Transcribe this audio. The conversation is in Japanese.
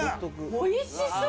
おいしそう！